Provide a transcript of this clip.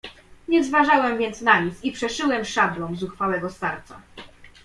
"Nie zważałem więc na nic i przeszyłem szablą zuchwałego starca."